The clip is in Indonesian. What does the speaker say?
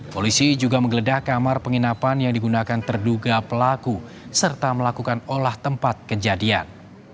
polisi juga menggeledah kamar penginapan yang digunakan terduga pelaku serta melakukan olah tempat kejadian